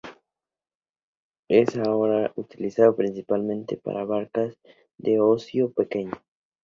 Es ahora utilizado principalmente para barcas de ocio pequeño.